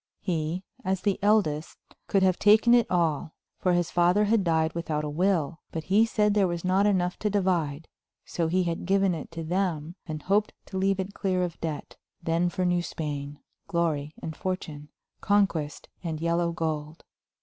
He, as the eldest, could have taken it all, for his father had died without a will, but he said there was not enough to divide, so he had given it to them and hoped to leave it clear of debt; then for New Spain, glory and fortune, conquest and yellow gold.